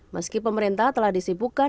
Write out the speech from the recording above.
meski pemerintah telah disibukan